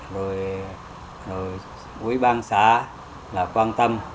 rồi quý bang xã quan tâm